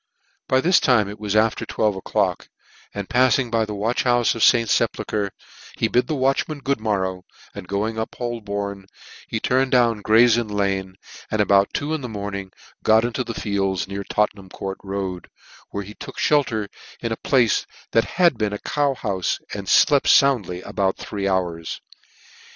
By this time it was after twelve o'clock, and pafling by the watch houfe of St. Sepulchre, he bid the watchman good morrow, and going up Holborn, he turned down Gray's Inn Lanc, and about two in the morning got into the fields near Tottenham Court, where he took flicker in a place that had been a cow houfe, and flept found ly about three hours.